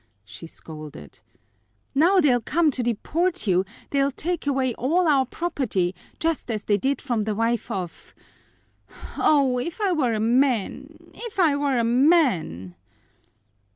she scolded. "Now they'll come to deport you, they'll take away all our property, just as they did from the wife of Oh, if I were a man, if I were a man!"